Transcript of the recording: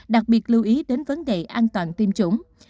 đặc biệt lưu ý đến vấn đề an toàn tiêm chủng